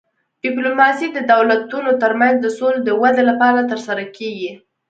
ډیپلوماسي د دولتونو ترمنځ د سولې د ودې لپاره ترسره کیږي